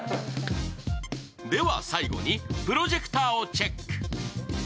では、最後にプロジェクターをチェック。